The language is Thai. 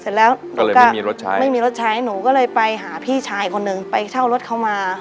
เสร็จแล้วก็เลยไม่มีรถใช้ไม่มีรถใช้หนูก็เลยไปหาพี่ชายคนหนึ่งไปเช่ารถเขามา